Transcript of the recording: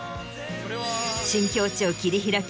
新境地を切り開き